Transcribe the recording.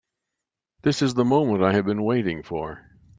This is the moment I have been waiting for.